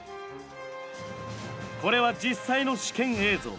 これは実際の試験映像。